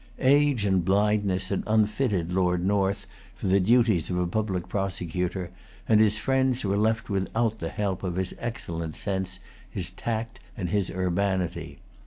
Age and blindness had unfitted Lord North for the duties of a public prosecutor; and his friends were[Pg 226] left without the help of his excellent sense, his tact, and his urbanity.